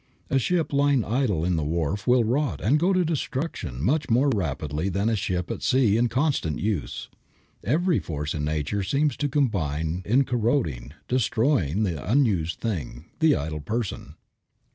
A ship lying idle in the wharf will rot and go to destruction much more rapidly than a ship at sea in constant use. Every force in nature seems to combine in corroding, destroying the unused thing, the idle person.